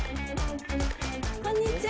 こんにちは。